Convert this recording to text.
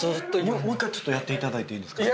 もう一回ちょっとやって頂いていいですか？